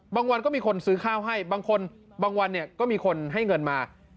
บางวันก็มีคนซื้อข้าวให้บางวันก็มีคนให้เงินมา